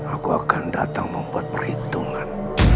aku akan datang membuat perhitungan